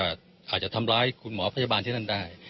อาจจะทำร้ายคุณหมอพยาบาลที่นั่นได้